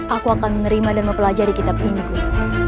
aku akan menerima dan mempelajari kitab ini guru